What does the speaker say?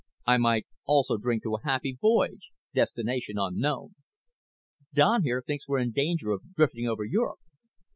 "I might also drink to a happy voyage, destination unknown." "Don here thinks we're in danger of drifting over Europe."